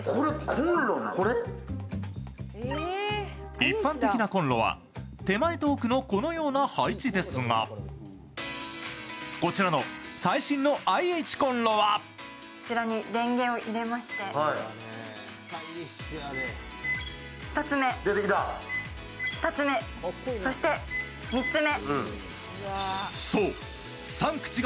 一般的なコンロは手前と奥のこのような配置ですがこちらの最新のＩＨコンロは電源を入れまして１つ目、２つ目、そして３つ目。